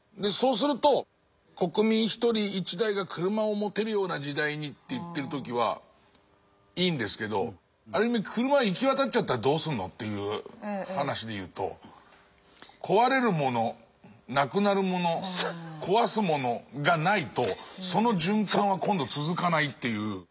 そうすると国民１人１台が車を持てるような時代にと言ってる時はいいんですけどある意味車が行き渡っちゃったらどうするのという話で言うと壊れるものなくなるもの壊すものがないとその循環は今度続かないっていう。